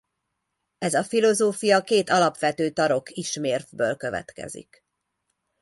Ez a filozófia két alapvető tarokk-ismérvből következik.